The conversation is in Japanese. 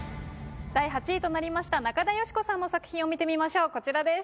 第８位となりました中田喜子さんの作品を見てみましょうこちらです。